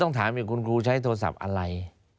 ถามอย่างคุณครูใช้โทรศัพท์อะไร